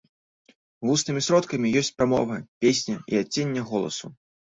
Вуснымі сродкамі ёсць прамова, песня і адценне голасу.